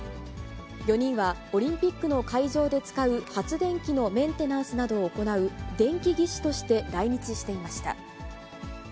４人はオリンピックの会場で使う、発電機のメンテナンスなどを行う電気技師として来日していました。